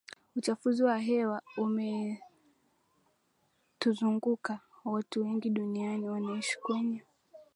Uchafuzi wa hewa umetuzunguka Watu wengi duniani wanaishi kwenye